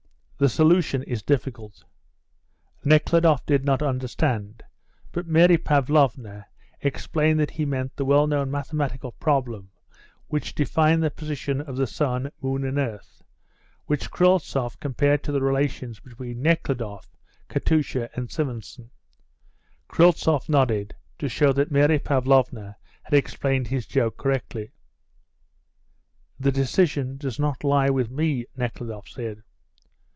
"The solution is difficult." Nekhludoff did not understand, but Mary Pavlovna explained that he meant the well known mathematical problem which defined the position of the sun, moon and earth, which Kryltzoff compared to the relations between Nekhludoff, Katusha and Simonson. Kryltzoff nodded, to show that Mary Pavlovna had explained his joke correctly. "The decision does not lie with me," Nekhludoff said.